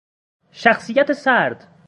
شخصیت سرد